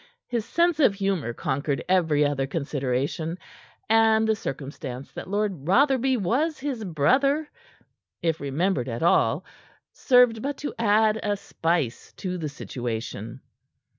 His sense of humor conquered every other consideration, and the circumstance that Lord Rotherby was his brother, if remembered at all, served but to add a spice to the situation.